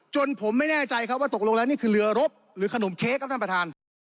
ผมไม่แน่ใจครับว่าตกลงแล้วนี่คือเรือรบหรือขนมเค้กครับท่านประธาน